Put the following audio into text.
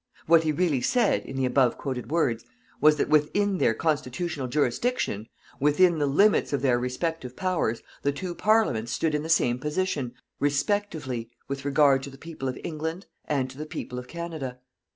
What he really said, in the above quoted words, was that within their constitutional jurisdiction, within the limits of their respective powers, the two Parliaments stood in the same position, respectively, with regard to the people of England and to the people of Canada.